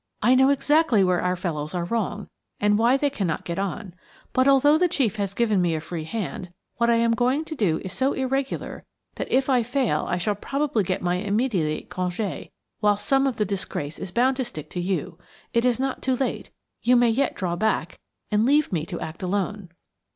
I know exactly where our fellows are wrong, and why they cannot get on. But, although the chief has given me a free hand, what I am going to do is so irregular that if I fail I shall probably get my immediate congé, whilst some of the disgrace is bound to stick to you. It is not too late–you may yet draw back, and leave me to act alone."